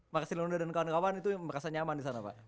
makasih lunda dan kawan kawan itu merasa nyaman disana pak